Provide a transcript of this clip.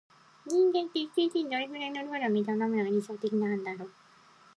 人間って、一日にどれくらいの量の水を飲むのが理想的なんだろう。